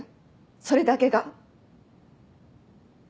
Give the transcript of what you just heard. それだけが。